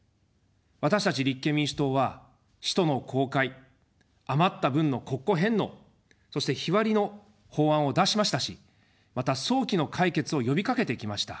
私たち立憲民主党は使途の公開、余った分の国庫返納、そして日割りの法案を出しましたし、また早期の解決を呼びかけてきました。